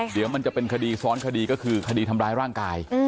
เดี๋ยวมันจะเป็นคดีซ้อนคดีก็คือคดีทำร้ายร่างกาย